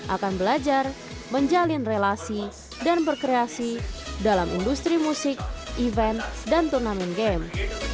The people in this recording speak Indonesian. akan belajar menjalin relasi dan berkreasi dalam industri musik event dan turnamen game